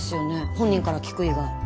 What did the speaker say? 本人から聞く以外。